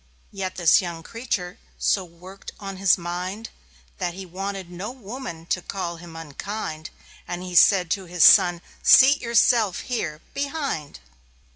Yet this young creature so worked on his mind That he wanted no woman to call him unkind: And he said to his Son: "Seat yourself here behind."